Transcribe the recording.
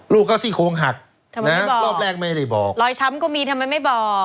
ลูกเขาซี่โครงหักทำไมรอบแรกไม่ได้บอกรอยช้ำก็มีทำไมไม่บอก